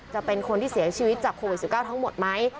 จะเป็นคนที่เสียชีวิตจากโควิด๑๙ทั้งหมดไหม